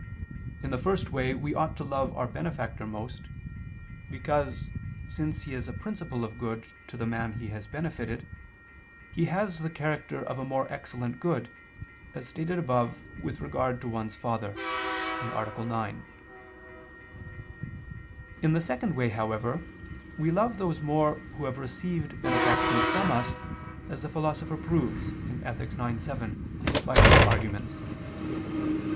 In the first way we ought to love our benefactor most, because, since he is a principle of good to the man he has benefited, he has the character of a more excellent good, as stated above with regard to one's father (A. 9). In the second way, however, we love those more who have received benefactions from us, as the Philosopher proves (Ethic. ix, 7) by four arguments.